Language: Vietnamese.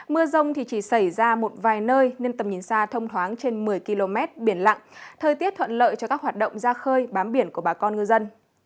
mưa rông thì chỉ xảy ra một vài nơi nên tầm nhìn xa thông thoáng trên một mươi km biển lặng thời tiết thuận lợi cho các hoạt động ra khơi bám biển của bà con ngư dân